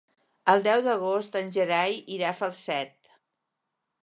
El deu d'agost en Gerai irà a Falset.